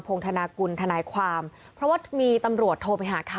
งธนากุลทนายความเพราะว่ามีตำรวจโทรไปหาเขา